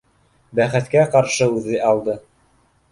Бәхеткә ҡаршы, үҙе алды